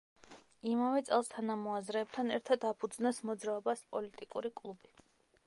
იმავე წელს თანამოაზრეებთან ერთად აფუძნებს მოძრაობას „პოლიტიკური კლუბი“.